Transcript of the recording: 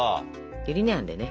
ゆり根あんでね